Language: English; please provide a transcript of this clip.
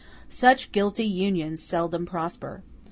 Such guilty unions seldom prosper.